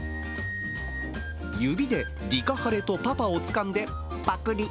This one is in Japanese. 指でディカハレとパパをつかんでパクり。